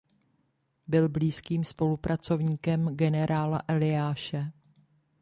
Byl blízkým spolupracovníkem gen. Eliáše.